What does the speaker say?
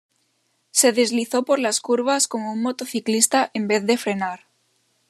Se deslizó por las curvas como un motociclista en vez de frenar.